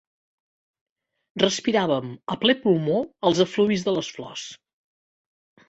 Respiràvem a ple pulmó els efluvis de les flors.